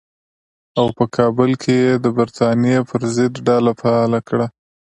او په کابل کې یې د برټانیې پر ضد ډله فعاله کړه.